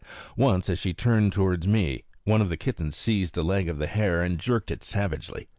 Once, as she turned toward me, one of the kittens seized a leg of the hare and jerked it savagely.